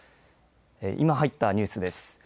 今入ったニュースです。